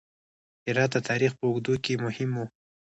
هرات د تاریخ په اوږدو کې مهم و